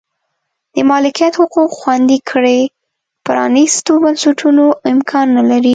د مالکیت حقوق خوندي کړي پرانیستو بنسټونو امکان نه لري.